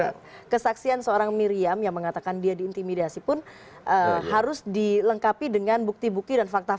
jadi kesaksian seorang miriam yang mengatakan dia diintimidasi pun harus dilengkapi dengan bukti bukti dan faktornya